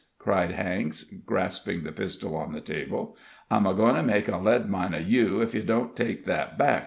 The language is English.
cried Cranks, grasping the pistol on the table. "I'm a goin' to make a lead mine of you ef you don't take that back!"